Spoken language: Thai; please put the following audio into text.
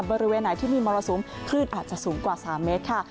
บริเวณไหนที่มีมรสุมคลื่นอาจจะสูงกว่า๓เมตรค่ะ